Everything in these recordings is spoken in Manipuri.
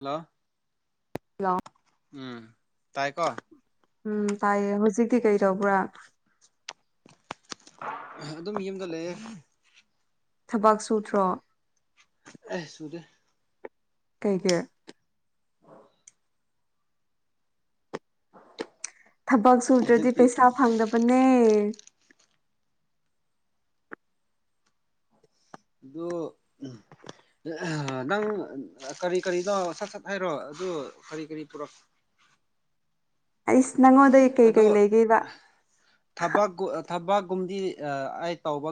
ꯍꯂ ꯍꯂꯣ ꯎꯝ ꯇꯥꯏ ꯀꯣ ꯎꯝ ꯇꯥꯏꯌꯦ ꯍꯧꯖꯤꯛꯇꯤ ꯀꯩ ꯇꯧꯕ꯭ꯔꯥ ꯑꯗꯨꯝ ꯌꯨꯝꯗ ꯂꯩꯌꯦ ꯊꯕꯛ ꯁꯨꯗ꯭ꯔꯣ ꯑꯁꯨꯗꯦ ꯀꯩꯒꯤ ꯊꯕꯛ ꯁꯨꯗ꯭ꯔꯗꯤ ꯍꯧꯖꯤꯛꯇꯤ ꯄꯩꯁꯥ ꯐꯪꯗꯕꯅꯦ ꯗꯨ ꯎꯝ ꯅꯪ ꯀꯔꯤ ꯀꯔꯤꯅꯣ ꯁꯠ ꯁꯠ ꯍꯥꯏꯔꯣ ꯑꯗꯨ ꯀꯔꯤ ꯀꯔꯤ ꯄꯨꯔꯛ ꯑꯩꯁ ꯅꯪꯉꯣꯟꯗꯒꯤ ꯀꯩꯀꯩ ꯑꯗꯣ ꯂꯩꯒꯦꯕ ꯊꯕꯛ ꯊꯕꯛꯀꯨꯝꯗꯤ ꯑꯩ ꯇꯧꯕ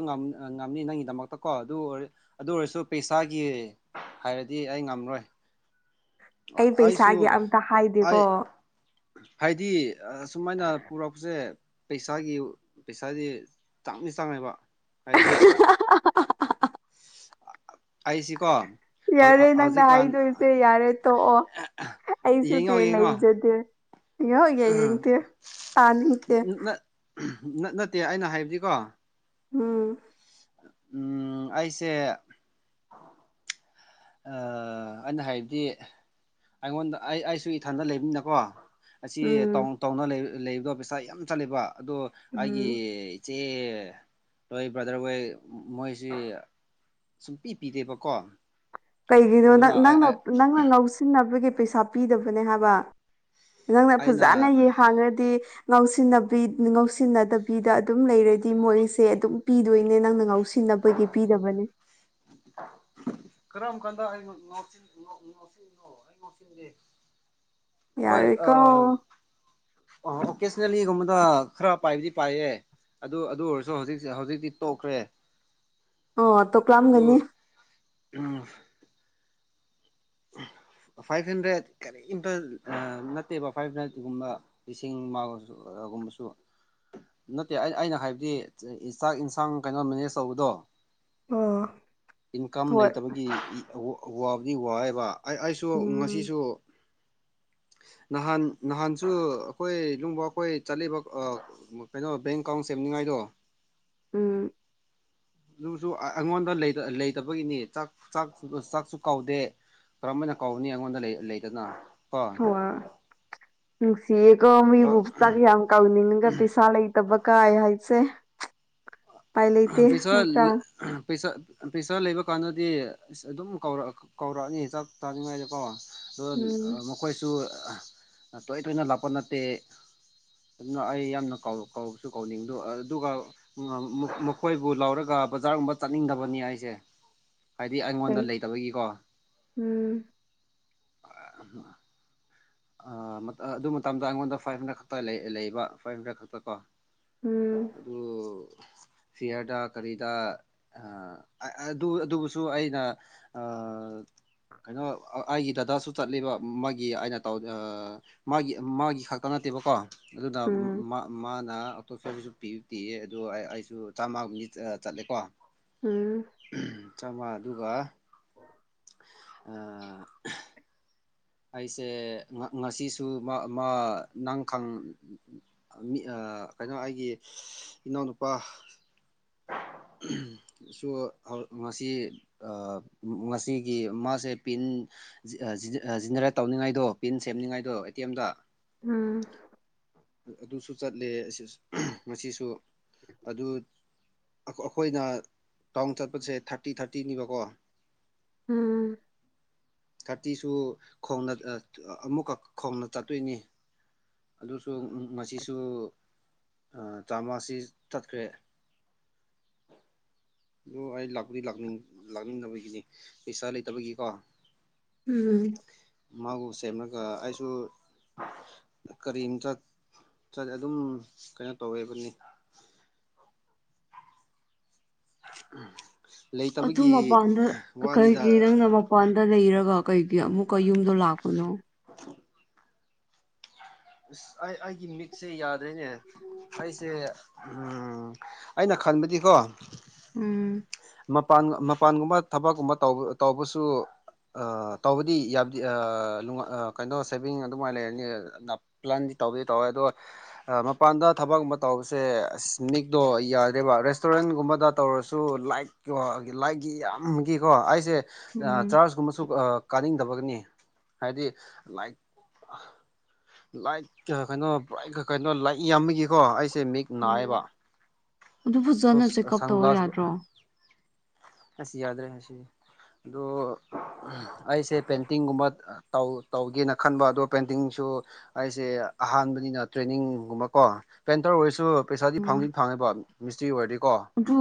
ꯉꯝꯅꯤ ꯅꯪꯒꯤꯗꯃꯛꯇꯀꯣ ꯑꯗꯨ ꯑꯣꯏꯔ ꯑꯗꯨ ꯑꯣꯏꯔꯁꯨ ꯄꯩꯁꯥꯒꯤ ꯍꯥꯏꯔꯗꯤ ꯑꯩ ꯉꯝꯔꯣꯏ ꯑꯩ ꯑꯩꯁꯨ ꯄꯩꯁꯥꯒꯤ ꯑꯝꯇ ꯑꯩ ꯍꯥꯏꯗꯦꯀꯣ ꯍꯥꯏꯗꯤ ꯁꯨꯃꯥꯏꯅ ꯄꯨꯔꯛꯄꯁꯦ ꯄꯩꯁꯥꯒꯤ ꯄꯩꯁꯥꯗꯤ ꯆꯥꯡꯅꯤ ꯆꯥꯡꯉꯕ ꯍꯥꯏꯗꯤ ꯑꯁꯤ ꯀꯣ ꯌꯥꯔꯦ ꯅꯪꯅ ꯍꯥꯏꯗꯣꯏꯁꯦ ꯌꯥꯔꯦ ꯇꯣꯛꯑꯣ ꯌꯦꯡꯉꯣ ꯑꯩꯁꯨꯅꯦ ꯌꯦꯡꯉꯣ ꯂꯩꯖꯗꯦ ꯍꯒꯦ ꯅꯤꯡꯇꯦ ꯇ ꯅꯤꯡꯇꯦ ꯅꯠ ꯅꯠꯇꯦ ꯑꯩꯅ ꯍꯥꯏꯕꯗꯤꯀꯣ ꯎꯝ ꯎꯝ ꯑꯩꯁꯦ ꯑ ꯑꯩꯅ ꯍꯥꯏꯕꯗꯤ ꯑꯩꯉꯣꯟꯗ ꯑꯩ ꯑꯩꯁꯨ ꯏꯊꯟꯗ ꯂꯩꯕꯅꯤꯅꯀꯣ ꯑꯁꯤ ꯎꯝ ꯇꯧ ꯇꯧꯅ ꯂꯩꯕꯗꯣ ꯄꯩꯁꯥ ꯌꯥꯝ ꯆꯠꯂꯦꯕ ꯑꯗꯣ ꯎꯝ ꯑꯩꯒꯤ ꯆꯦ ꯍꯣꯏ ꯕ꯭ꯔꯗꯔ ꯍꯣꯏ ꯃꯣꯏꯁꯤ ꯁꯨꯡꯄꯤ ꯄꯤꯗꯦꯕꯀꯣ ꯀꯩꯒꯤꯅꯣ ꯑꯗꯨꯅ ꯅꯪ ꯅꯪꯅ ꯅꯪꯅ ꯉꯥꯎꯁꯤꯟꯅꯕꯒꯤ ꯄꯩꯁꯥ ꯄꯤꯗꯕꯅꯦ ꯍꯥꯏꯕ ꯅꯪꯅ ꯑꯩꯅ ꯐꯖꯅ ꯌꯦ ꯍꯥꯡꯉꯗꯤ ꯉꯥꯎꯁꯤꯟꯅꯕꯤ ꯉꯥꯎꯁꯤꯟꯅꯗꯕꯤꯗ ꯑꯗꯨꯝ ꯂꯩꯔꯗꯤ ꯃꯣꯏꯁꯦ ꯑꯗꯨꯝ ꯄꯤꯗꯣꯏꯅꯦ ꯅꯪꯅ ꯉꯥꯎꯁꯤꯟꯅꯕꯒꯤ ꯄꯤꯗꯕꯅꯦ ꯀꯔꯝ ꯀꯥꯟꯗ ꯑꯩ ꯉꯥꯎꯁꯤꯟꯈꯤꯕ [unintelligible] [unintelligible] ꯍꯣꯏ ꯑ ꯌꯥꯔꯦꯀꯣ ꯑ ꯑꯣꯀꯦꯁꯅꯦꯜꯂꯤꯒꯨꯝꯕꯗ ꯈꯔ ꯄꯥꯏꯕꯗꯤ ꯄꯥꯏꯌꯦ ꯑꯗꯨ ꯑꯗꯨ ꯑꯣꯏꯔꯁꯨ ꯍꯧꯖꯤꯛ ꯍꯧꯖꯤꯛꯇꯤ ꯇꯣꯛꯈ꯭ꯔꯦ ꯑꯣ ꯑꯗꯨ ꯇꯣꯛꯂꯝꯒꯅꯤ [unintelligible] [unintelligible] ꯐꯥꯏꯚ ꯍꯟꯗ꯭ꯔꯦꯠ ꯀꯔꯤꯝꯇ ꯅꯠꯇꯦꯕ ꯐꯥꯏꯚ ꯍꯟꯗ꯭ꯔꯦꯠꯒꯨꯝꯕ ꯂꯤꯁꯤꯡ ꯃꯥꯂꯁꯨ ꯒꯨꯝꯕꯁꯨ ꯅꯠꯇꯦ ꯑꯩ ꯑꯩꯅ ꯍꯥꯏꯕꯗꯤ ꯆꯥꯛ ꯏꯟꯁꯥꯡ ꯀꯩꯅꯣ ꯃꯦꯅꯦꯖ ꯇꯧꯕꯗꯣ ꯏꯟꯀꯝ ꯍꯣꯏ ꯂꯩꯇꯕꯒꯤ ꯏ ꯋꯥꯕꯗꯤ ꯋꯥꯌꯦꯕ ꯑꯩ ꯑꯩꯁꯨ ꯎꯝ ꯉꯁꯤꯁꯨ ꯅꯍꯥꯟ ꯅꯍꯥꯟꯁꯨꯨ ꯑꯈꯣꯏ ꯗꯨꯝꯕ ꯑꯈꯣꯏ ꯆꯠꯂꯤꯕ ꯀꯩꯅꯣ ꯕꯦꯡ ꯑꯦꯀꯥꯎꯟ ꯁꯦꯝꯅꯤꯡꯉꯥꯏꯗꯣ ꯎꯝ ꯑꯗꯨꯁꯨ ꯑ ꯑꯉꯣꯟꯗ ꯂꯩ ꯂꯩꯇꯕꯒꯤꯅꯤ ꯆꯥꯛ ꯆꯥꯛ ꯆꯥꯛꯁꯨ ꯀꯥꯎꯗꯦ ꯀꯔꯝꯃꯅ ꯀꯧꯅꯤ ꯑꯩꯉꯣꯟꯗ ꯂꯩ ꯂꯩꯗꯅ ꯀꯣ ꯍꯋꯥ ꯅꯨꯡꯁꯤꯌꯦꯀꯣ ꯃꯤꯕꯨ ꯆꯥꯛ ꯌꯥꯝ ꯀꯧꯅꯤꯉꯒ ꯄꯤꯁꯥ ꯂꯩ ꯇꯕ ꯀꯥꯏ ꯍꯥꯏꯁꯦ ꯄꯥꯏ ꯂꯩꯇꯦ ꯅꯠꯇ꯭ꯔ ꯄꯩꯁ ꯄꯩꯁꯥ ꯂꯩꯕ ꯀꯥꯟꯗꯗꯤ ꯑ ꯑꯗꯨꯝ ꯀꯧꯔ ꯀꯧꯔꯛꯑꯅꯤꯖꯥꯛ ꯆꯥꯅꯤꯡꯉꯥꯏꯗꯀꯣ ꯑ ꯎꯝ ꯃꯈꯣꯏꯁꯨ ꯇꯣꯏ ꯇꯣꯏꯅ ꯂꯥꯛꯄ ꯅꯠꯇꯦ ꯑꯗꯨꯅ ꯑꯩ ꯌꯥꯝꯅ ꯀꯥꯎ ꯀꯥꯎꯕꯁꯨ ꯀꯥꯎꯅꯤꯡꯗ ꯑꯗꯨꯒ ꯑꯩꯈꯣꯏꯕꯨ ꯂꯧꯔꯒ ꯕꯖꯥꯔꯒꯨꯝꯕ ꯆꯠꯅꯤꯡꯗꯕꯅꯤ ꯑꯩꯁꯦ ꯍꯥꯏꯗꯤ ꯑꯩꯉꯣꯟꯗ ꯎꯝ ꯂꯩꯇꯕꯒꯤꯀꯣ ꯎꯝ ꯑ ꯑꯗꯨ ꯃꯇꯝꯗ ꯑꯩꯉꯣꯟꯗ ꯐꯥꯏꯚ ꯍꯟꯗ꯭ꯔꯦꯠ ꯈꯛꯇ ꯂꯩꯕ ꯐꯥꯏꯚ ꯍꯟꯗ꯭ꯔꯦꯠ ꯈꯛꯇ ꯀꯣ ꯑꯗꯨ ꯐꯌꯥꯗꯥ ꯈꯔꯗ ꯑꯗꯨ ꯑꯗꯨꯕꯨꯁꯨ ꯑꯩꯅ ꯀꯩꯅꯣ ꯑꯩꯒꯤ ꯗꯗꯥꯁꯨ ꯆꯠꯂꯤꯕ ꯃꯥꯒꯤ ꯑꯩꯅ ꯇꯧꯗ ꯑ ꯃꯥꯒꯤ ꯃꯥꯒꯤ ꯈꯛꯇ ꯅꯠꯇꯦꯕꯀꯣ ꯑꯗꯨꯅ ꯎꯝ ꯎꯝ ꯃꯥ ꯃꯥꯅ ꯑꯇꯣꯞꯄꯁꯨ ꯄꯤ ꯄꯤꯌꯦ ꯑꯗꯣ ꯑꯩꯁꯨ ꯆꯥꯝꯃꯒꯨꯝꯗꯤ ꯑ ꯆꯠꯂꯦꯀꯣ ꯆꯥꯝꯃꯥ ꯑꯗꯨꯒ ꯑ ꯑꯩꯁꯦ ꯉ ꯉꯁꯤꯁꯨ ꯃꯥ ꯃꯥ ꯅꯪ ꯈꯪ ꯃꯤ ꯑ ꯀꯩꯅꯣ ꯑꯩꯒꯤ ꯏꯅꯥꯎꯅꯨꯄꯥ ꯎꯝ ꯁꯣ ꯑ ꯉꯁꯤ ꯑ ꯉꯁꯤꯒꯤ ꯃꯥꯁꯦ ꯄꯤꯟ ꯖꯤꯑꯖꯥꯑꯖꯤꯅꯔꯦꯠ ꯇꯧꯅꯤꯡꯉꯥꯏꯗꯣ ꯄꯤꯟ ꯁꯦꯝꯅꯤꯡꯉꯥꯏꯗꯣ ꯑꯦ ꯇꯤ ꯑꯦꯝꯗ ꯎꯝ ꯑꯗꯨꯁꯨ ꯆꯠꯂꯦ ꯉꯁꯨ ꯑꯗꯨ ꯑꯩꯈꯣꯏꯅ ꯇꯥꯎꯟ ꯆꯠꯄꯁꯦ ꯊꯥꯔꯇꯤ ꯊꯥꯔꯇꯤꯅꯤꯕꯀꯣ ꯎꯝ ꯈꯥꯇꯤꯁꯨ ꯈꯣꯡꯅ ꯑꯃꯨꯛꯀꯛ ꯈꯣꯡꯅ ꯆꯠꯇꯣꯏꯅꯤ ꯁ ꯉꯁꯤꯁꯨ ꯆꯥꯝꯃꯁꯤ ꯇꯠꯈ꯭ꯔꯦ [unintelligible] ꯑꯣ ꯑꯩ ꯂꯥꯛꯄꯗꯤꯅꯤꯡ ꯂꯥꯛꯅꯤꯡꯗꯕꯒꯤꯅꯤ ꯄꯩꯁꯥ ꯂꯩꯇꯕꯒꯤꯀꯣ ꯎꯝ ꯃꯥꯕꯨ ꯁꯦꯝꯂꯒ ꯑꯩꯁꯨ ꯀꯔꯤꯝꯇ ꯆꯠꯂ ꯑꯗꯨꯝ ꯀꯩꯅꯣ ꯇꯧꯋꯦꯕꯅꯤ ꯎꯝ ꯑꯗꯨ ꯃꯄꯥꯟꯗ ꯀꯩꯒꯤ ꯅꯪꯅ ꯃꯄꯥꯟꯗ ꯂꯩꯔꯒ ꯀꯩꯒꯤ ꯑꯃꯨꯛꯀ ꯌꯨꯝꯗꯣ ꯂꯥꯛꯄ ꯑ ꯑꯩ ꯑꯩꯒꯤ ꯃꯤꯠꯁꯦ ꯌꯥꯗ꯭ꯔꯦꯅꯦ ꯑꯩꯁꯦ ꯑꯩꯅ ꯈꯟꯕꯗꯤꯀꯣ ꯎꯝ ꯃꯄꯥꯟ ꯃꯄꯥꯟꯒꯨꯝꯕ ꯊꯕꯛꯀꯨꯝꯕ ꯇꯧꯕ ꯇꯧꯕꯁꯨ ꯇꯧꯕꯗꯤ ꯌꯥꯗꯤ ꯀꯩꯅꯣ ꯁꯦꯚꯤꯡ ꯑꯗꯨꯃꯥꯏꯅ ꯂꯩꯔꯅꯤ ꯄ꯭ꯂꯥꯟꯗꯤ ꯇꯧꯕꯗꯤ ꯇꯧꯋꯦ ꯑꯗꯣ ꯃꯄꯥꯟꯗ ꯊꯕꯛꯀꯨꯝꯕ ꯇꯧꯕꯁꯦ ꯑꯁ ꯃꯤꯛꯇꯣ ꯌꯥꯗ꯭ꯔꯦꯕ ꯔꯦꯁꯇꯨꯔꯦꯟꯒꯨꯝꯕꯗ ꯇꯧꯔꯁꯨ ꯂꯥꯏꯛꯣ ꯂꯥꯏꯛꯒꯤ ꯌꯥꯝꯒꯤꯀꯣ ꯑꯩꯁꯦ ꯎꯝ ꯆꯥꯔꯖꯀꯨꯝꯕꯁꯨ ꯀꯥꯅꯤꯡꯗꯕꯒꯅꯤ ꯍꯥꯏꯗꯤ ꯂꯥꯏꯛ ꯂꯥꯏꯛ ꯀꯩꯅꯣꯥꯏ ꯀꯩꯅꯣ ꯂꯥꯏꯛ ꯌꯥꯝꯃꯤꯒꯤꯀꯣ ꯑꯩꯁꯦ ꯃꯤꯛ ꯎꯝ ꯅꯥꯏꯌꯦꯕ ꯑꯗꯨ ꯁꯣ ꯐꯖꯅ ꯆꯦꯛꯑꯞ ꯁꯟ ꯇꯧꯕ ꯒ꯭ꯂꯥꯁ ꯌꯥꯗ꯭ꯔꯣ ꯑꯁꯤ ꯌꯥꯗ꯭ꯔꯦ ꯑꯁꯤ ꯑꯣ ꯑꯩꯁꯦ ꯄꯦꯟꯇꯤꯡꯒꯨꯝꯕ ꯇꯧꯒꯦꯅ ꯈꯟꯕ ꯑꯗꯨꯒ ꯄꯦꯟꯇꯤꯡꯁꯨ ꯑꯩꯁꯦ ꯑꯍꯥꯟꯕꯅꯤꯅ ꯇ꯭ꯔꯦꯅꯤꯡꯒꯨꯝꯕ ꯀꯣ ꯄꯦꯟꯇꯔ ꯑꯣꯏꯔꯁꯨ ꯄꯩꯁꯥꯗꯤ ꯐꯪꯗꯤ ꯐꯪꯉꯦꯕ ꯃꯤꯁꯇ꯭ꯔꯤ ꯑꯣꯏꯔꯗꯤꯀꯣ ꯑꯗꯨ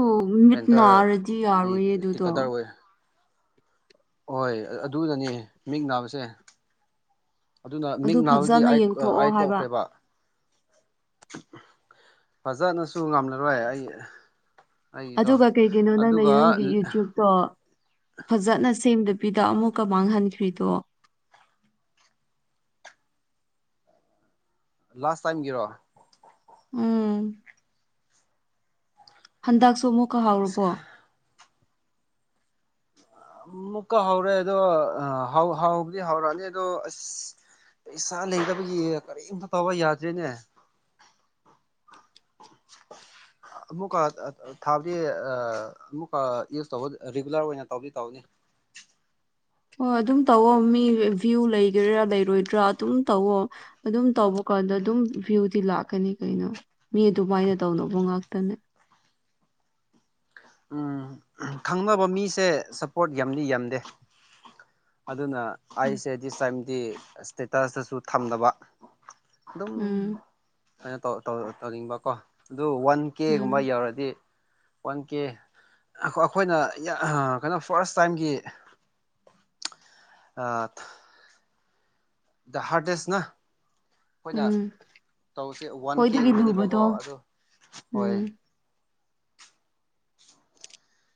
ꯃꯤꯠ ꯅꯥꯔꯗꯤ ꯄꯦꯟꯇꯔꯒꯤ ꯌꯥꯔꯣꯏꯌꯦ ꯑꯗꯨꯗꯣ ꯇꯤꯛꯀꯇꯔ ꯑꯣꯏ ꯍꯣꯏ ꯑꯗꯨꯗꯅꯤ ꯃꯤꯡ ꯅꯥꯕꯁꯦ ꯑꯗꯨꯅ ꯑꯗꯨ ꯃꯤꯛ ꯅꯥꯕꯒꯤ ꯐꯖꯅ ꯑꯥꯏ ꯌꯦꯡꯊꯣꯛꯑꯣ ꯑꯥꯏ ꯍꯥꯏꯕ ꯇꯧꯈ꯭ꯔꯦꯕ ꯐꯖꯅꯁꯨ ꯉꯝꯂꯔꯣꯏ ꯑꯩ ꯑꯩꯒꯤꯗꯣ ꯑꯗꯨꯒ ꯀꯩꯒꯤꯅꯣ ꯅꯪꯅ ꯅ ꯑꯗꯨꯒ ꯅꯪꯒꯤ ꯌꯨꯇ꯭ꯌꯨꯕꯇꯣ ꯐꯖꯅ ꯁꯦꯝꯗꯕꯤꯗ ꯑꯃꯨꯛꯀ ꯃꯥꯡꯍꯟꯈ꯭ꯔꯤꯗꯣ ꯂꯥꯁ ꯇꯥꯏꯝꯒꯤꯔꯣ ꯎꯝ ꯍꯟꯗꯛꯁꯨ ꯑꯃꯨꯛꯀ ꯍꯥꯎꯔꯨꯕꯣ ꯑꯃꯨꯛꯀ ꯍꯧꯔꯦ ꯑꯗꯣ ꯍꯥꯎꯕꯗꯤ ꯍꯧꯥꯎꯔꯛꯑꯅꯤ ꯑꯗꯣ ꯑꯁ ꯄꯩꯁꯥ ꯂꯩꯗꯕꯒꯤ ꯀꯔꯤꯝꯇ ꯇꯧꯕ ꯌꯥꯗ꯭ꯔꯦꯅꯦ [inaudible] ꯑꯃꯨꯛꯀ ꯊꯥꯕꯗꯤ ꯑꯃꯨꯛꯀ ꯌꯨꯁ ꯇꯧꯕ ꯔꯤꯒꯨꯂꯔ ꯑꯣꯏꯅ ꯇꯧꯗꯤ ꯇꯧꯅꯤ ꯍꯣꯏ ꯑꯗꯨꯝ ꯇꯧꯑꯣꯣ ꯃꯤ ꯚ꯭ꯌꯨ ꯂꯩꯒꯦꯔꯥ ꯂꯩꯔꯣꯏꯗ꯭ꯔꯥ ꯑꯗꯨꯝ ꯇꯧꯋꯣ ꯑꯗꯨꯝ ꯇꯧꯕ ꯀꯥꯟꯗ ꯑꯗꯨꯝ ꯚꯤꯌꯨꯗꯤ ꯂꯥꯛꯀꯅꯤ ꯀꯩꯅꯣ ꯃꯤ ꯑꯗꯨꯃꯥꯏꯅ ꯇꯧꯅꯕ ꯉꯥꯛꯇꯅꯦ ꯎꯝ ꯈꯪꯅꯕ ꯃꯤꯁꯦ ꯁꯞꯄꯣꯔꯠ ꯌꯥꯝꯗꯤ ꯌꯥꯝꯗꯦ ꯑꯗꯨꯅ ꯑꯩꯁꯦ ꯗꯤꯁ ꯇꯥꯏꯝꯗꯤ ꯏꯁꯇꯦꯇꯁꯇꯁꯨ ꯊꯝꯗꯕ ꯑꯗꯨꯝ ꯎꯝ ꯑꯩꯅ ꯇꯧꯅꯤꯡꯕꯀꯣ ꯑꯗꯨ ꯋꯥꯟ ꯀꯦꯒꯨꯝꯕ ꯎꯝ ꯌꯧꯔꯗꯤ ꯋꯥꯟ ꯀꯦ ꯑꯩꯈꯣꯏꯅ ꯀꯩꯅꯣ ꯐꯥꯔꯁ ꯇꯥꯏꯝꯒꯤ ꯑ ꯗ ꯍꯥꯔꯇꯦꯁ ꯅ ꯑꯩꯈꯣꯏꯅ ꯎꯝ ꯇꯧꯁꯦ ꯋꯥꯟ ꯈꯣꯏꯗꯒꯤ ꯀꯦꯒꯨꯝꯅꯦꯕꯀꯣ ꯂꯨꯕꯗꯣ ꯑꯗꯨ ꯍꯣꯏ ꯎꯝ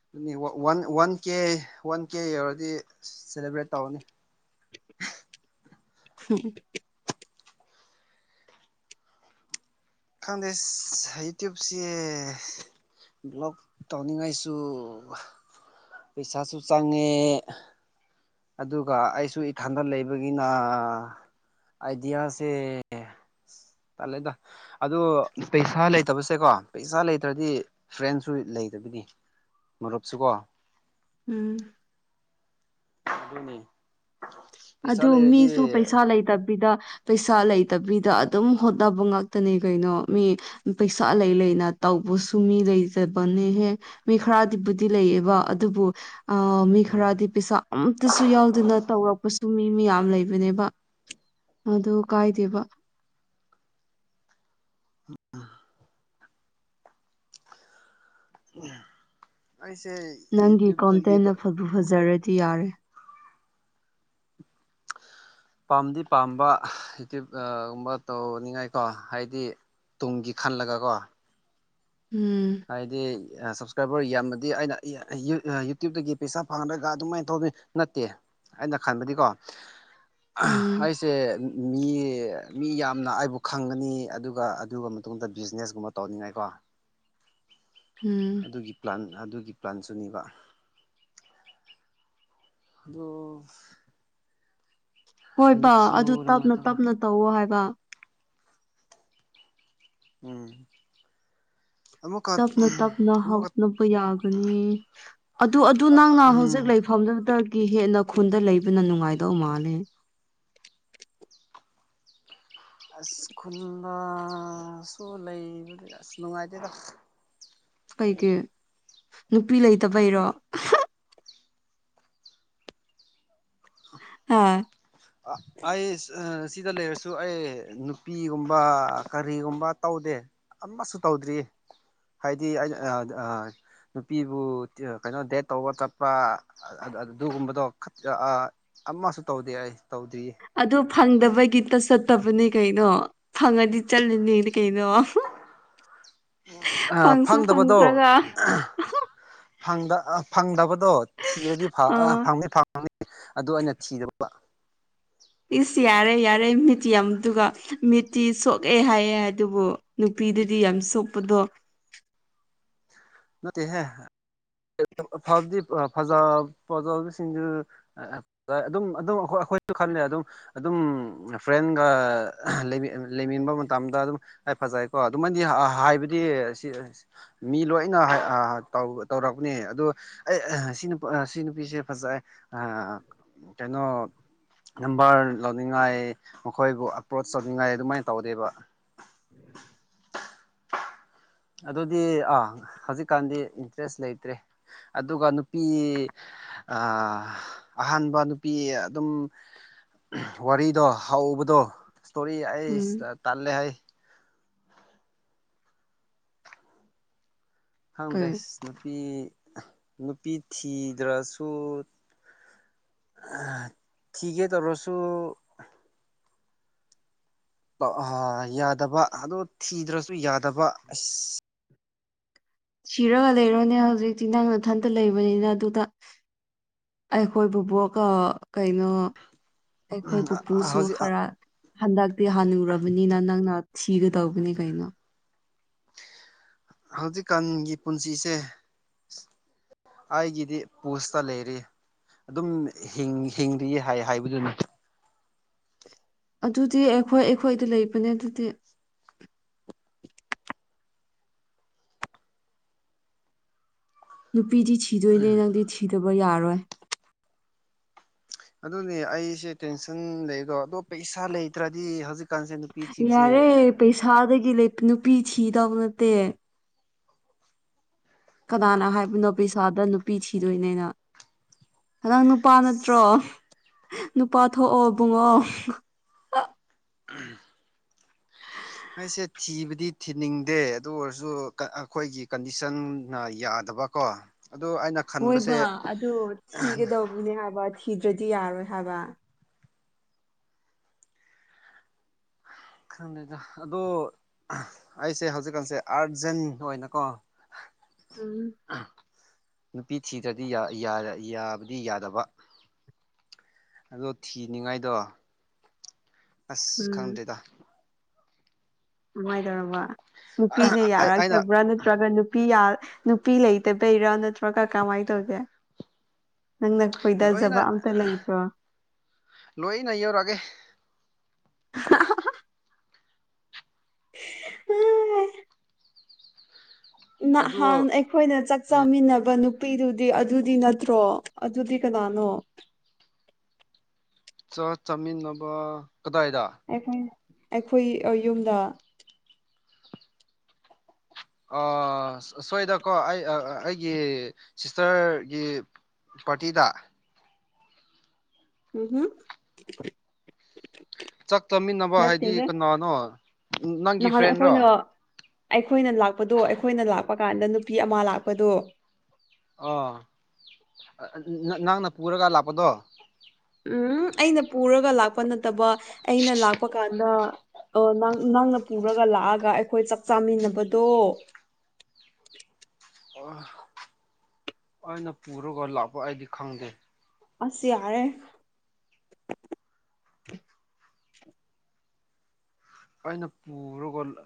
ꯑꯗꯨꯅꯤ ꯋꯥꯟ ꯋꯥꯟ ꯀꯦ ꯋꯥꯟ ꯀꯦ ꯌꯧꯔꯗꯤ ꯁꯦꯂꯦꯕ꯭ꯔꯦꯠ ꯇꯧꯔꯅꯤ ꯎꯝ ꯈꯪꯗꯦ ꯌꯨꯇ꯭ꯌꯨꯞꯁꯦ ꯕ꯭ꯂꯣꯛ ꯇꯧꯅꯤꯡꯉꯥꯏꯁꯨ ꯄꯩꯁꯥꯁꯨ ꯆꯪꯉꯦ ꯑꯗꯨꯒ ꯑꯩꯁꯨ ꯏꯊꯥꯟꯗ ꯂꯩꯕꯒꯤꯅ ꯑꯥꯏꯗꯤꯌꯥꯁꯦ ꯇꯂꯦꯗ ꯑꯣ ꯄꯩꯁꯥ ꯂꯩꯇꯕꯁꯦꯀꯣ ꯄꯩꯁꯥ ꯂꯩꯇ꯭ꯔꯗꯤ ꯐ꯭ꯔꯦꯟꯁꯨ ꯂꯩꯇꯕꯤꯅꯤ ꯃꯔꯨꯞꯁꯤꯀꯣ ꯎꯝ ꯅꯤ ꯑꯗꯨ ꯃꯤꯁꯨ ꯄꯩꯁꯥ ꯂꯩꯇꯕꯤꯗ ꯄꯩꯁꯥ ꯂꯩꯇꯕꯤꯗ ꯑꯗꯨꯝ ꯍꯣꯠꯅꯕ ꯉꯥꯛꯇꯅꯦ ꯀꯩꯅꯣ ꯃꯤ ꯄꯩꯁꯥ ꯂꯩ ꯂꯩꯅ ꯇꯧꯕꯁꯨ ꯃꯤ ꯂꯩꯇꯕꯅꯦꯍꯦ ꯃꯤ ꯈꯔꯗꯤꯕꯨꯗꯤ ꯂꯩꯌꯦꯕ ꯑꯗꯨꯕꯨ ꯃꯤ ꯈꯔꯗꯤ ꯄꯩꯁꯥ ꯑꯝꯇꯁꯨ ꯌꯥꯎꯗꯅ ꯇꯧꯔꯛꯄ ꯇꯨꯝꯃꯤ ꯃꯤ ꯌꯥꯝ ꯂꯩꯕꯅꯦꯕ ꯑꯗꯨ ꯀꯥꯏꯗꯦꯕ ꯎ ꯑꯩꯁꯦ ꯅꯪꯒꯤ ꯀꯣꯟꯇꯦꯟ ꯌꯨꯇ꯭ꯌꯨꯕꯇꯒꯤ ꯑꯐꯕ ꯐꯖꯔꯗꯤ ꯌꯥꯔꯦ ꯄꯥꯝꯗꯤ ꯄꯥꯝꯕ ꯍꯥꯏꯇꯞ ꯨꯝꯕ ꯇꯧꯅꯤꯡꯉꯥꯏꯀꯣ ꯍꯥꯏꯗꯤ ꯇꯨꯡꯒꯤ ꯈꯜꯂꯒꯀꯣ ꯎꯝ ꯍꯥꯏꯗꯤ ꯁꯞꯁꯀ꯭ꯔꯥꯏꯕꯔ ꯌꯥꯝꯃꯗꯤ ꯑꯩꯅ ꯌꯨꯇ꯭ꯌꯕꯇꯒꯤ ꯄꯩꯁꯥ ꯐꯪꯍꯔꯒ ꯑꯗꯨꯃꯥꯏꯅ ꯇꯧꯅꯤ ꯅꯠꯇꯦ ꯑꯩꯅ ꯈꯟꯕꯗꯤꯀꯣ ꯎꯝ ꯑꯩꯁꯦ ꯃꯤ ꯃꯤ ꯌꯥꯝꯅ ꯑꯩꯕꯨ ꯈꯪꯒꯅꯤ ꯑꯗꯨꯒ ꯑꯗꯨ ꯃꯇꯨꯡꯗ ꯕꯤꯖꯤꯅꯦꯁꯀꯨꯝꯕ ꯇꯧꯅꯤꯡꯉꯥꯏꯀꯣ ꯎꯝ ꯑꯗꯨꯒꯤ ꯄ꯭ꯂꯥꯟ ꯑꯗꯨꯒꯤ ꯄ꯭ꯂꯥꯟꯁꯨꯅꯦꯕ ꯑꯗꯨꯣ ꯍꯣꯏꯕ ꯃꯤꯛꯁꯨ ꯑꯗꯨ ꯇꯞꯅ ꯅꯨꯡꯉꯥꯏꯇꯕ ꯇꯞꯅ ꯇꯧꯋ ꯍꯥꯏꯕ ꯎꯝ ꯑꯃꯨꯛꯀ ꯇꯞꯅ ꯇꯞꯅ ꯑꯃꯨꯛꯀ ꯍꯥꯞꯅꯕ ꯌꯥꯒꯅꯤ ꯑꯗꯨ ꯑꯗꯨ ꯅꯪꯅ ꯎꯝ ꯍꯧꯖꯤꯛ ꯂꯩꯐꯝꯗꯨꯗꯒꯤ ꯍꯦꯟꯅ ꯈꯨꯟꯗ ꯂꯩꯕꯅ ꯅꯨꯡꯉꯥꯏꯗꯧ ꯃꯥꯜꯂꯦ ꯑꯁ ꯈꯨꯜꯗꯁꯨ ꯂꯩꯕꯗꯨ ꯑꯁ ꯅꯨꯡꯉꯥꯏꯖꯩꯗ ꯀꯩꯒꯤ ꯅꯨꯄꯤ ꯂꯩꯇꯕꯩꯔꯣ ꯍꯥꯥ ꯑ ꯑꯩ ꯑ ꯑꯁꯤꯗ ꯂꯩꯔꯁꯨ ꯑꯩ ꯅꯨꯄꯤꯒꯨꯝꯕ ꯀꯔꯤꯒꯨꯝꯕ ꯇꯧꯗꯦ ꯑꯃꯁꯨ ꯇꯧꯗ꯭ꯔꯤ ꯍꯥꯏꯗꯤ ꯑꯩ ꯑ ꯅꯨꯄꯤꯕꯨ ꯀꯩꯅꯣ ꯗꯦꯠ ꯇꯧꯕ ꯆꯠꯄ ꯑꯗꯨꯒꯨꯝꯕꯗꯣ ꯑꯃꯁꯨ ꯇꯧꯗꯦ ꯑꯩ ꯇꯧꯗ꯭ꯔꯤ ꯑꯗꯨ ꯐꯪꯗꯕꯒꯤ ꯆꯠꯇꯕꯅꯤ ꯀꯩꯅꯣ ꯐꯪꯉꯗꯤ ꯆꯠꯂꯤꯅꯦꯗꯤ ꯀꯩꯅꯣ ꯐꯪꯁꯨ ꯐꯪꯗꯕꯗꯣ ꯐꯪꯗ꯭ꯔꯒ ꯐꯪꯗꯕꯗꯣ ꯊꯤꯔꯗꯤ ꯑꯥ ꯐꯪꯅꯤ ꯐꯪꯅꯤ ꯑꯗꯨ ꯑꯩꯅ ꯊꯤꯗꯕ ꯏꯁ ꯌꯥꯔꯦ ꯌꯥꯔꯦ ꯃꯤꯇꯤ ꯌꯥꯝꯃꯤꯗꯨꯒ ꯃꯤꯇꯤ ꯁꯣꯛꯑꯦ ꯍꯥꯏꯌꯦ ꯑꯗꯨꯕꯨ ꯅꯨꯄꯤꯗꯗꯤ ꯌꯥꯝ ꯆꯣꯞꯄꯗꯣ ꯅꯠꯇꯦꯍꯦ ꯑꯐꯕꯗꯤ ꯐꯖ ꯐꯖꯕꯁꯤꯡꯗꯨ ꯑꯗꯨꯝ ꯑꯗꯨꯝ ꯑꯩꯈꯣꯏ ꯑꯩꯈꯣꯏꯁꯨ ꯈꯜꯂꯦ ꯑꯗꯨꯝ ꯑꯗꯨꯝ ꯐ꯭ꯔꯦꯟꯒ ꯂꯩꯃꯤꯟꯅꯕ ꯃꯇꯝꯗ ꯑꯗꯨꯝ ꯍ ꯐꯖꯩꯀꯣ ꯑꯗꯨꯃꯥꯏꯗꯤ ꯍꯥꯏꯕꯗꯤ ꯁꯤ ꯃꯤ ꯂꯣꯏ ꯑꯩꯅ ꯇꯧꯔꯛꯄꯅꯦ ꯑꯗꯣ ꯑꯩ ꯁꯤ ꯁꯤ ꯅꯨꯄꯤꯁꯦ ꯐꯖꯩ ꯑ ꯀꯩꯅꯣ ꯅꯝꯕꯔ ꯂꯧꯅꯤꯡꯉꯥꯏ ꯃꯈꯣꯏꯕꯨ ꯑꯄ꯭ꯔꯣꯆ ꯇꯧꯅꯤꯡꯉꯥꯏ ꯑꯗꯨꯃꯥꯏꯅ ꯇꯧꯗꯦꯕ ꯑꯗꯨꯗꯤ ꯑꯥ ꯍꯧꯖꯤꯛꯀꯥꯟꯗꯤ ꯏꯟꯇꯔꯦꯁ ꯂꯩꯇ꯭ꯔꯦ ꯑꯗꯨꯒ ꯅꯨꯄꯤ ꯑꯍꯥꯟꯕ ꯅꯨꯄꯤ ꯑꯗꯨꯝ ꯋꯥꯔꯤꯗꯣ ꯍꯧꯕꯗꯣ ꯏꯁꯇꯣꯔꯤ ꯑꯩ ꯎꯝ ꯇꯜꯂꯦ ꯍꯥꯏ ꯈꯪꯗ꯭ꯔꯦ ꯀꯩ ꯅꯨꯄꯤ ꯅꯨꯄꯤ ꯊꯤꯗ꯭ꯔꯁꯨ ꯊꯤꯒꯦ ꯇꯧꯔꯁꯨ ꯌꯥꯗꯕ ꯑꯗꯣ ꯊꯤꯗ꯭ꯔꯁꯨ ꯌꯥꯗꯕ ꯑꯁ ꯁꯤꯔꯒ ꯂꯩꯔꯣꯅꯦ ꯍꯧꯖꯤꯛꯇꯤ ꯅꯪ ꯅꯊꯟꯇ ꯂꯩꯕꯅꯤꯅ ꯑꯗꯨꯗ ꯑꯩꯈꯣꯏ ꯄꯨꯕꯣꯛ ꯀꯩꯅꯣ ꯑꯩꯈꯣꯏ ꯄꯨꯄꯨꯁꯨ ꯍꯧꯖꯤꯛ ꯈꯔ ꯍꯟꯗꯛꯇꯤ ꯍꯥꯟꯅꯨꯔꯕꯅꯤꯅ ꯅꯪꯅ ꯊꯤꯒꯗꯧꯕꯅꯤ ꯀꯩꯅꯣ ꯍꯧꯖꯤꯛꯀꯥꯟꯒꯤ ꯄꯨꯟꯁꯤꯁꯦ ꯑꯩꯒꯤꯗꯤ ꯄꯨꯁꯇ ꯂꯩꯔꯤ ꯑꯗꯨꯝ ꯍꯤꯡꯉꯤ ꯍꯥꯏ ꯍꯥꯏꯕꯗꯨꯅꯤ ꯑꯗꯨꯗꯤ ꯑꯩꯈꯣꯏ ꯑꯩꯈꯣꯏꯗ ꯂꯩꯕꯅꯦ ꯑꯗꯨꯗꯤ ꯅꯨꯄꯤꯗꯤ ꯊꯤꯗꯣꯏꯅꯦ ꯅꯪꯗꯤ ꯊꯤꯗꯕ ꯌꯥꯔꯣꯏ ꯑꯗꯨꯅꯦ ꯑꯩꯁꯦ ꯇꯦꯟꯁꯟ ꯂꯩꯗꯣ ꯑꯇꯣꯞ ꯄꯩꯁꯥ ꯂꯩꯇ꯭ꯔꯗꯤ ꯍꯧꯖꯤꯛ ꯀꯥꯟꯁꯦ ꯅꯨꯄꯤ ꯊꯤꯕꯁꯦ ꯁꯥꯗꯒꯤ ꯅꯨꯄꯤ ꯊꯤꯗꯧꯕ ꯅꯠꯇꯦ ꯀꯅꯥꯅ ꯍꯥꯏꯕꯅꯣ ꯄꯤꯁꯥꯗ ꯅꯨꯄꯤ ꯊꯤꯗꯣꯏꯅꯦꯅ ꯅꯪ ꯅꯨꯄꯥ ꯅꯠꯇ꯭ꯔꯣ ꯅꯨꯄꯥ ꯊꯣꯛꯑꯣ ꯄꯨꯡꯉꯣ ꯎꯝ ꯑꯩꯁꯦ ꯊꯤꯕꯗꯤ ꯊꯤꯅꯤꯡꯗꯦ ꯑꯗꯨ ꯑꯣꯏꯔꯁꯨ ꯑꯩꯈꯣꯏꯒꯤ ꯀꯟꯗꯤꯁꯟꯅ ꯌꯥꯗ ꯌꯥꯗꯕꯀꯣ ꯑꯗꯨ ꯑꯩꯅ ꯈꯟꯕꯁꯦ ꯍꯣꯏꯕ ꯑꯗꯨ ꯊꯤꯒꯗꯧꯕꯅꯦ ꯍꯥꯏꯕ ꯊꯤꯗ꯭ꯔꯗꯤ ꯌꯥꯔꯣꯏ ꯍꯥꯏꯕ ꯈꯪꯗꯦꯗ ꯑꯗꯣ ꯑꯩꯁꯦ ꯍꯧꯖꯤꯛꯀꯥꯟꯁꯦ ꯑꯥꯔꯖꯦꯟ ꯑꯣꯏꯅꯀꯣ [unintelligible] ꯎꯝ ꯅꯨꯄꯤ ꯊꯤꯗ꯭ꯔꯗꯤ ꯌꯥꯕꯗꯤ ꯌꯥꯗꯕ ꯑꯗꯣ ꯊꯤꯅꯤꯉꯥꯏꯗꯣ ꯑꯁ ꯎꯝ ꯈꯪꯗ꯭ꯔꯦꯗ ꯀꯃꯥꯏꯅ ꯇꯧꯔꯕ ꯅꯨꯄꯤꯅ ꯑꯩ ꯑꯩꯅ ꯌꯥꯔꯛꯇꯕ꯭ꯔꯥ ꯅꯠꯇ꯭ꯔꯒ ꯅꯨꯄꯤ ꯅꯨꯄꯤ ꯂꯩꯇꯕꯩꯔꯥ ꯅꯠꯇ꯭ꯔꯒ ꯀꯃꯥꯏꯅ ꯇꯧꯒꯦ ꯅꯪꯅ ꯂꯣꯏꯅ ꯈꯣꯏꯗꯖꯕ ꯑꯝꯇ ꯂꯩꯇ꯭ꯔꯣ ꯂꯍꯤꯅ [inaudible] ꯑꯣꯏꯔ ꯑꯒꯦ ꯎꯝ [inaudible] ꯑꯗꯨ ꯅꯍꯥꯟ ꯑꯩ ꯑꯩꯈꯣꯏꯅ ꯆꯥꯛ ꯆꯃꯤꯟꯅꯕ ꯅꯨꯄꯤꯗꯨꯗꯤ ꯑꯗꯨꯗꯤ ꯅꯠꯇ꯭ꯔꯣ ꯑꯗꯨꯗꯤ ꯀꯅꯥꯅꯣ ꯆꯥꯛ ꯆꯥꯃꯤꯟꯅꯕ ꯀꯗꯥꯏꯗ ꯑꯩꯈꯣꯏ ꯑꯩꯈꯣꯏ ꯌꯨꯝꯗ ꯁꯣꯏꯗꯀꯣ ꯑꯩ ꯑꯩꯒꯤ ꯁꯤꯁꯇꯔꯒꯤ ꯄꯥꯇꯤꯗ ꯎꯝ ꯍꯨꯝ ꯆꯥꯛ ꯆꯃꯤꯟꯅꯕ ꯍꯥꯏꯗꯤ ꯀꯅꯥꯅꯣ ꯅꯪꯒꯤ ꯅꯍꯥꯟ ꯐ꯭ꯔꯦꯟꯔꯣ ꯑꯩꯈꯣꯏꯅ ꯑꯩꯈꯣꯏꯅ ꯂꯥꯛꯄꯗꯣ ꯑꯩꯈꯣꯏꯅ ꯂꯥꯛꯄ ꯀꯥꯟꯗ ꯅꯨꯄꯤ ꯑꯃ ꯂꯥꯛꯄꯗꯣ ꯑꯣ ꯅꯪꯅ ꯄꯨꯔꯒ ꯂꯥꯛꯄꯗꯣ ꯎꯝ ꯑꯩꯅ ꯄꯨꯔꯒ ꯂꯥꯛꯄ ꯅꯠꯇꯕ ꯑꯩꯅ ꯂꯥꯛꯄ ꯀꯥꯟꯗ ꯑꯣ ꯅꯪ ꯅꯪꯅ ꯄꯨꯔꯒ ꯂꯥꯛꯑꯒ ꯑꯩꯈꯣꯏ ꯆꯥꯛ ꯆꯥꯃꯤꯟꯅꯕꯗꯣ ꯑꯣ ꯑꯩꯅ ꯄꯨꯔꯒ ꯂꯥꯛꯄ ꯑꯩꯗꯤ ꯈꯪꯗꯦ ꯑꯁ ꯌꯥꯔꯦ ꯑꯩꯅ ꯄꯨꯔꯂ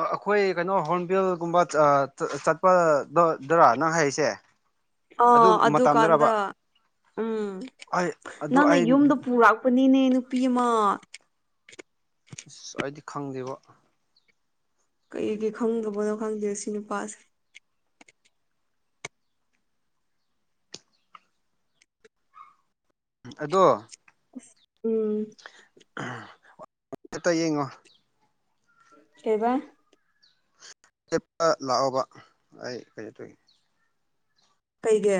ꯑꯩꯈꯣꯏ ꯀꯩꯅꯣ ꯍꯣꯔꯟꯕꯤꯜꯒꯨꯝꯕ ꯆꯠꯄꯗꯗꯔꯥ ꯅꯪ ꯍꯥꯏꯁꯦ [unintelligible] ꯑꯥ ꯑꯗꯨꯀꯥꯟꯗ ꯎꯝ ꯑꯩ ꯑꯗꯨ ꯅꯪꯅ ꯑꯩ ꯌꯨꯝꯗ ꯄꯨꯔꯛꯄꯅꯤꯅꯦ ꯅꯨꯄꯤ ꯑꯃ ꯑꯁ ꯑꯩꯗꯤ ꯈꯪꯗꯦꯕꯣ ꯀꯩꯒꯤ ꯈꯪꯗꯕꯅꯣ ꯈꯪꯗꯦ ꯁꯤ ꯅꯨꯄꯥꯁꯦ ꯑꯗꯣ ꯎꯝ ꯍꯦꯛꯇ ꯌꯦꯡꯉꯣ ꯀꯩꯕꯥ ꯂꯦꯞꯄ ꯂꯥꯛꯑꯣꯕ ꯑꯩ ꯀꯩꯠꯇꯧꯒꯦ [inaudible] ꯀꯩꯒꯤ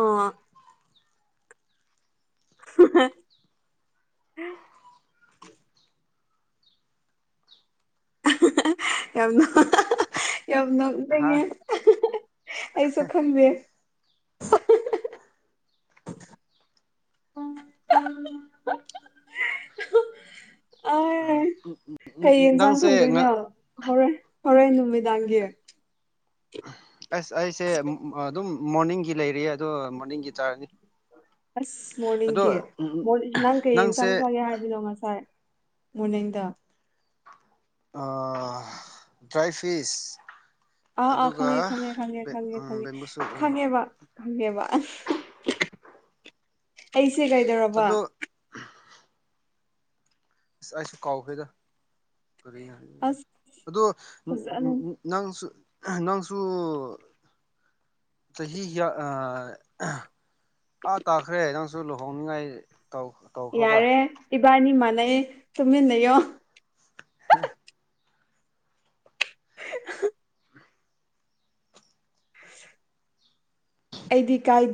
ꯑꯥ [inaudible] ꯌꯥꯝ ꯅꯣꯡ ꯌꯥꯝ ꯅꯣꯡ ꯅꯤꯡꯉꯦ ꯍꯥ ꯑꯩꯁꯨ ꯈꯪꯗꯦ ꯎ [inaudible] ꯑꯩ ꯀꯩ ꯌꯦꯟꯖꯥꯡ ꯅꯪꯁꯦ ꯊꯣꯡꯗꯣꯏꯅꯣ ꯍꯣꯏ ꯍꯣꯔꯦꯟ ꯅꯨꯃꯤꯗꯥꯡꯒꯤ ꯑꯁ ꯑꯩꯁꯦ ꯑꯗꯨꯝ ꯃꯣꯔꯅꯤꯡꯒꯤ ꯂꯩꯔꯤ ꯑꯗꯣ ꯃꯣꯔꯅꯤꯡꯒꯤ ꯆꯥꯔꯅꯤ ꯑꯁ ꯑꯗꯣ ꯃꯣꯔꯅꯤꯡꯒꯤ ꯅꯪ ꯀꯩ ꯅꯪꯁꯦ ꯏꯟꯆꯥꯡ ꯆꯒꯦ ꯍꯥꯏꯕꯤꯅꯣ ꯉꯁꯥꯏ ꯃꯣꯔꯅꯤꯡꯗ ꯑꯥ ꯗ꯭ꯔꯥꯏ ꯐꯤꯁ ꯑꯥ ꯑꯥ ꯑꯗꯨꯒ ꯈꯪꯉꯦ ꯈꯪꯉꯦ ꯈꯪꯉꯦ ꯈꯪꯉꯦ ꯈꯪꯉꯦ ꯕꯦꯝꯕꯨꯁꯨ ꯈꯪꯉꯦꯕ ꯈꯪꯒꯦꯕ ꯑꯩꯁꯦ ꯀꯩꯗꯧꯔꯕ ꯑꯗꯣ ꯑꯁ ꯑꯩꯁꯨ ꯀꯥꯎꯈ꯭ꯔꯦꯗ ꯀꯔꯤ ꯑꯁ ꯑꯗꯣ ꯐꯖꯅ ꯅꯪꯁꯨ ꯅꯪꯁꯨ ꯆꯍꯤ ꯀꯌꯥ ꯑꯥ ꯇꯥꯈ꯭ꯔꯦ ꯅꯪꯁꯨ ꯂꯨꯍꯣꯡꯅꯤꯡꯉꯥꯏ ꯇꯧ ꯌꯥꯔꯦ ꯏꯕꯥꯅꯤ ꯃꯥꯟꯅꯩ ꯇꯨꯝꯃꯤꯟ ꯂꯩꯌꯣ ꯍꯦ ꯑꯩꯗꯤ ꯀꯥꯏꯗꯦ